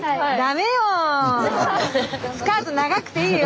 スカート長くていいよ。